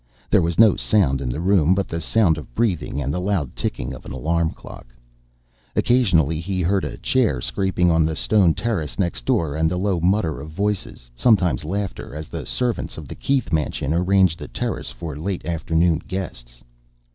There was no sound in the room but the sound of breathing and the loud ticking of an alarm clock. Occasionally he heard a chair scraping on the stone terrace next door, and the low mutter of voices, sometimes laughter, as the servants of the Keith mansion arranged the terrace for late afternoon guests.